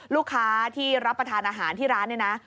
ลูกค้าที่รับประทานอาหารที่ร้านเนี่ยนะ